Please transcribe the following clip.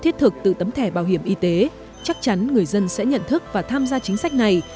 thiết thực từ tấm thẻ bảo hiểm y tế chắc chắn người dân sẽ nhận thức và tham gia chính sách này